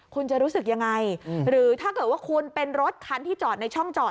คุณจะรู้สึกยังไงหรือถ้าเกิดว่าคุณเป็นรถคันที่จอดในช่องจอด